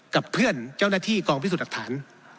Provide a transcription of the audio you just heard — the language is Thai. กับเพื่อนเจ้าหน้าที่กองพิสูจน์หลักฐาน